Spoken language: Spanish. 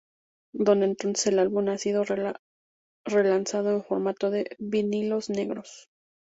Desde entonces, el álbum ha sido relanzado en formato de vinilos negros.